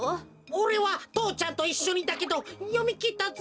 おれはとうちゃんといっしょにだけどよみきったぜ。